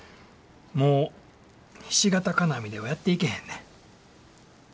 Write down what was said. もうひし形金網ではやっていけへんねん。